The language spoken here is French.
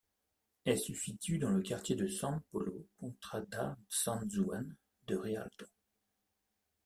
Elle se situe dans le quartier de San Polo, contrada San Zuane de Rialto.